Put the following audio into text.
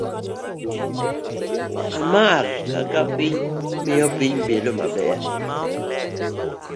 A. mar Kaka Piny Miyo Piny Bedo Maber